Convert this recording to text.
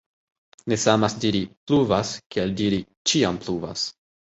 Ne samas diri «pluvas» kiel diri «ĉiam pluvas».